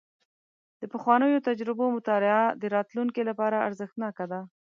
د پخوانیو تجربو مطالعه د راتلونکي لپاره ارزښتناکه ده.